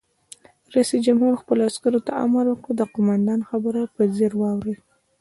رئیس جمهور خپلو عسکرو ته امر وکړ؛ د قومندان خبره په ځیر واورئ!